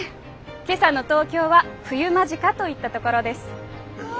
今朝の東京は冬間近といったところです。わ！